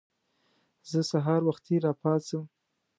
زه سهار وختي راپاڅم.